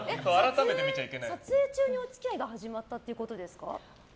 撮影中にお付き合いが始まったってことですか？